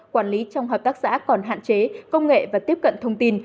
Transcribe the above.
quản lý trong hợp tác xã còn hạn chế công nghệ và tiếp cận thông tin